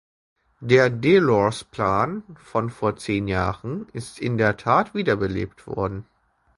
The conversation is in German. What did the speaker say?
Der Delors-Plan von vor zehn Jahren ist in der Tat wieder belebt worden.